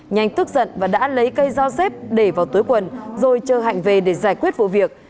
nhanh thức giận và đã lấy cây dao xếp để vào tối quần rồi chờ hạnh về để giải quyết vụ việc